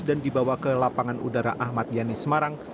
dan dibawa ke lapangan udara ahmad yani semarang